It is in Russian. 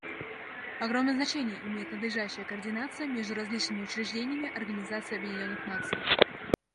Огромное значение имеет надлежащая координация между различными учреждениями Организации Объединенных Наций.